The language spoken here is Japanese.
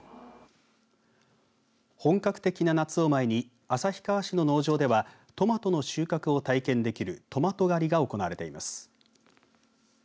本格的な夏を前に旭川市の農場ではトマトの収穫を体験できるトマト狩りが行われています。